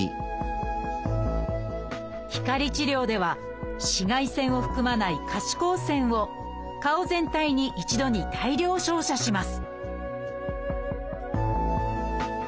光治療では紫外線を含まない可視光線を顔全体に一度に大量照射します